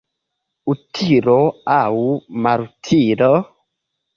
Utilo aŭ malutilo?